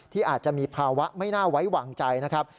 ที่อาจจะมีภาวะไม่น่าไว้วางใจนะครับ